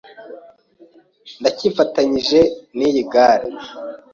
Ndacyifatanije niyi gare.